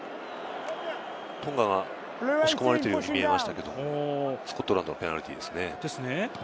トンガが押し込まれているように見えましたけれども、スコットランドのペナルティーですね。